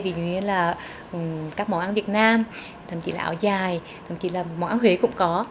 thậm chí là các món ăn việt nam thậm chí là ảo dài thậm chí là món ăn huế cũng có